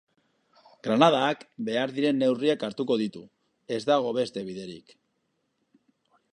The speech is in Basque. Granadak behar diren neurriak hartuko ditu, ez dago beste biderik.